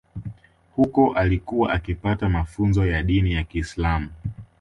Huko alikuwa akipata mafunzo ya dini ya Kiislam